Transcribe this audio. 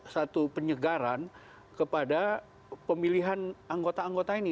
satu penyegaran kepada pemilihan anggota anggota ini